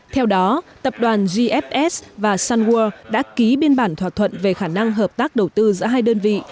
theo đó tập đoàn gfs và sunwood đã ký biên bản thỏa thuận về khả năng hợp tác đầu tư giữa hai đơn vị